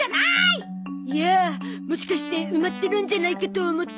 いやもしかして埋まってるんじゃないかと思って。